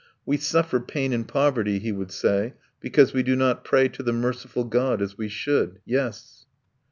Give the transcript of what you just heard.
"We suffer pain and poverty," he would say, "because we do not pray to the merciful God as we should. Yes!"